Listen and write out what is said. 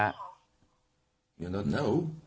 ไม่รู้นะ